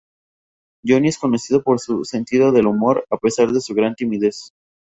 Jonny es conocido por su sentido del humor, a pesar de su gran timidez.